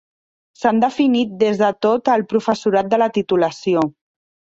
S’han definit des de tot el professorat de la titulació.